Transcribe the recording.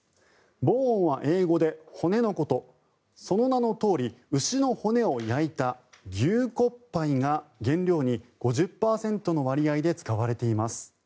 ボーンは英語で骨のことその名のとおり牛の骨を焼いた牛骨灰が原料に５０％の割合で使われています。